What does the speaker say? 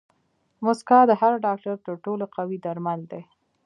موسکا د هر ډاکټر تر ټولو قوي درمل دي.